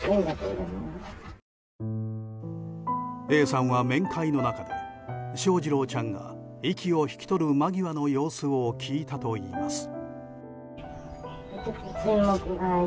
Ａさんは面会の中で翔士郎ちゃんが息を引き取る間際の様子を聞いたといいます。